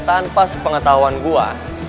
tanpa sepengetahuan gua